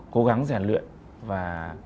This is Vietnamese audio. cố gắng rèn luyện và